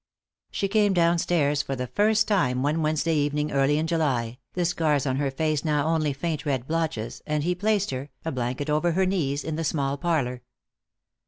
She came downstairs for the first time one Wednesday evening early in July, the scars on her face now only faint red blotches, and he placed her, a blanket over her knees, in the small parlor.